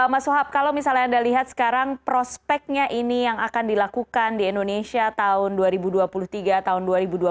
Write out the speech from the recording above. mas sohab kalau misalnya anda lihat sekarang prospeknya ini yang akan dilakukan di indonesia tahun dua ribu dua puluh tiga tahun dua ribu dua puluh